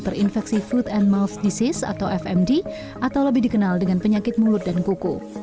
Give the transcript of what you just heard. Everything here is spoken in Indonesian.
terinfeksi food and move disease atau fmd atau lebih dikenal dengan penyakit mulut dan kuku